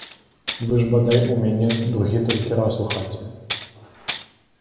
Вы ж, бадай, у мяне другі толькі раз у хаце.